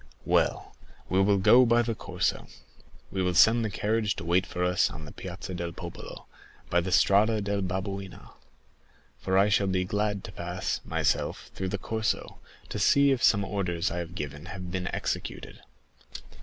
"Well, we will go by the Corso. We will send the carriage to wait for us on the Piazza del Popolo, by the Via del Babuino, for I shall be glad to pass, myself, through the Corso, to see if some orders I have given have been executed."